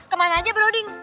kemana aja broding